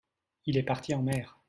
il est parti en mer.